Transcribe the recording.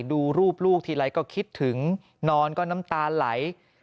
ดูรูปลูกทีไรก็คิดถึงนอนก็น้ำตาไหล